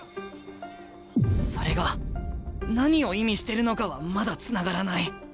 それが何を意味してるのかはまだつながらない。